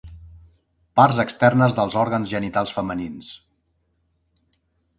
Parts externes dels òrgans genitals femenins.